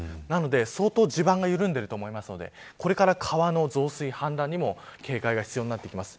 そうとう地盤が緩んでいると思うのでこれから川の増水や氾濫にも警戒が必要になってきます。